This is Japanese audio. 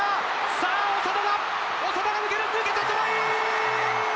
さあ、長田が長田が抜ける、抜けてトライ！